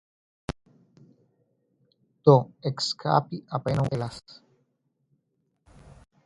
Do, eskapi apenaŭ eblas.